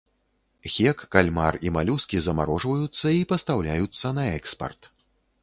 Хек, кальмар і малюскі замарожваюцца і пастаўляюцца на экспарт.